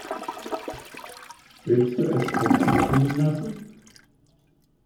Willst du es drauf ankommen lassen?